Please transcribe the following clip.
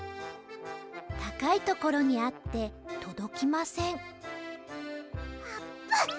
たかいところにあってとどきませんあぷん！